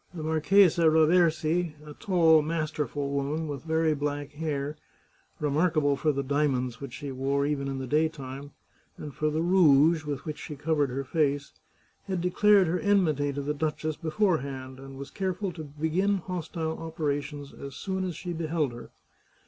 119 The Chartreuse of Parma The Marchesa Raversi, a tall, masterful woman, with very black hair, remarkable for the diamonds which she wore even in the daytime, and for the rouge with which she covered her face, had declared her enmity to the duchess beforehand, and was careful to begin hostile operations as soon as she beheld her.